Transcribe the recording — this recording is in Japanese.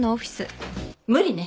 無理ね。